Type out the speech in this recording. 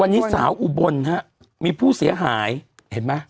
วันนี้สาวอุบลฮะมีผู้เสียหายเห็นไหม